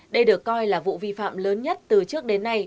đây được coi là vụ vi phạm lớn nhất từ trước đến nay